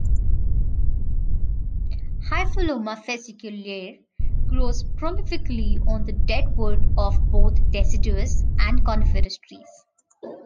"Hypholoma fasciculare" grows prolifically on the dead wood of both deciduous and coniferous trees.